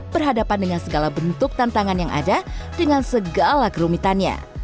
berhadapan dengan segala bentuk tantangan yang ada dengan segala kerumitannya